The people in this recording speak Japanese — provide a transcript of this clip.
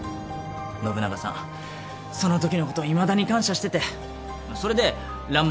信長さんそのときのこといまだに感謝しててそれで蘭丸を受取人に。